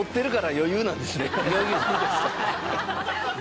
余裕です。